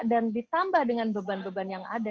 dan ditambah dengan beban beban yang lain